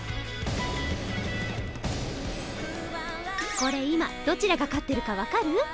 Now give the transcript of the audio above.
これ今どちらが勝ってるか分かる？